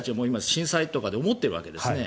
震災とかで思っているわけですね。